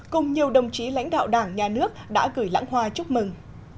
cùng nhiều đồng chí lãnh đạo đảng nhà nước đã gửi lãng hoa chúc mừng